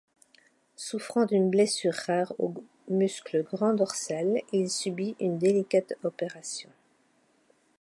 Souffrant d'une blessure rare au muscle grand dorsal, il subit une délicate opération.